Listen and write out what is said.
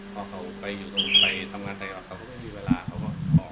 พอเขาไปอยู่ตรงไปทำงานสักอย่างเขาก็ไม่มีเวลาเค้าก็ออก